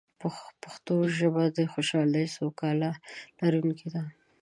پښتو ژبه شاوخوا څو کاله لرونکې ده.